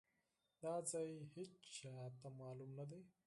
دا ځای ايچاته مالوم ندی.